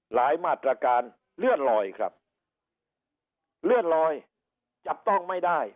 มาตรการเลื่อนลอยครับเลื่อนลอยจับต้องไม่ได้